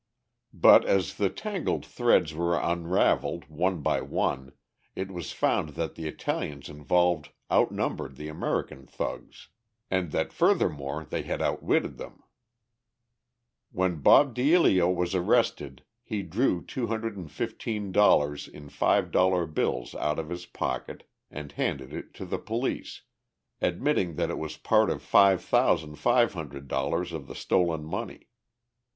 But as the tangled threads were unravelled, one by one, it was found that the Italians involved outnumbered the American thugs, and that furthermore they had outwitted them. When Bob Deilio was arrested he drew $215 in five dollar bills out of his pocket and handed it to the police, admitting that it was part of $5,500 of the stolen money.